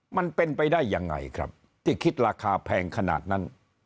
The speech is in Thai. มันเป็นไปได้ยังไงครับที่คิดราคาแพงขนาดนั้น